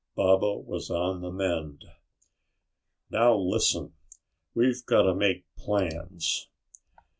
Baba was on the mend. "Now, listen, we've gotta make plans."